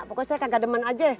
pokoknya saya kagak deman aja